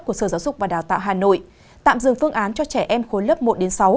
của sở giáo dục và đào tạo hà nội tạm dừng phương án cho trẻ em khối lớp một đến sáu